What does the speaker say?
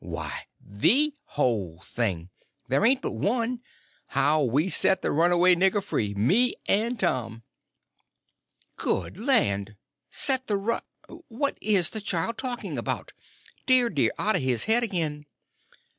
"Why, the whole thing. There ain't but one; how we set the runaway nigger free—me and Tom." "Good land! Set the run—What is the child talking about! Dear, dear, out of his head again!"